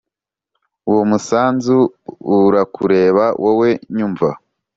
uwo musanzu urakureba wowe unyumva